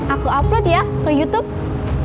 aku upload ya ke youtube